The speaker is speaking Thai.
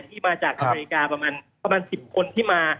ที่มาจากอเมริกาประมาณ๑๐คนที่มา